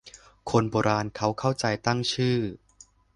คนโบราณเค้าเข้าใจตั้งชื่อ